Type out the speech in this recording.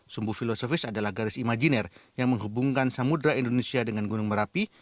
sumbu filosofis adalah garis imajiner yang menghubungkan samudera indonesia dengan gunung merapi